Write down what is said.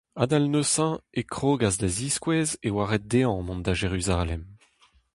Adal neuze e krogas da ziskouez e oa ret dezhañ mont da Jeruzalem.